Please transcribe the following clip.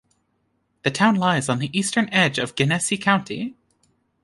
The town lies on the eastern edge of Genesee County.